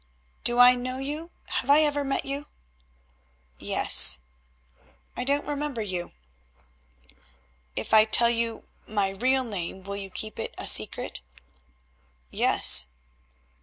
"Do I know you? Have I ever met you?" "Yes." "I don't remember you." "If I tell you my real name, will you keep it secret?" "Yes."